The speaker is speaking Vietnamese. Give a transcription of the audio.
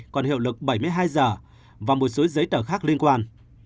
còn hiệu lực bảy mươi hai h và một số giấy tờ khác liên quan